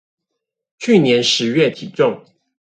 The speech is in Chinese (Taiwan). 去年十月體重